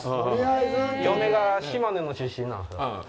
嫁が島根の出身なんですよ。